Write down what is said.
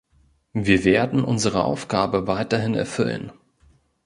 Wir werden unsere Aufgabe weiterhin erfüllen.